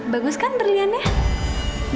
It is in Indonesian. bagus kan berliannya